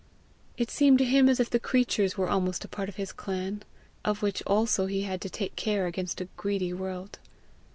It seemed to him as if the creatures were almost a part of his clan, of which also he had to take care against a greedy world.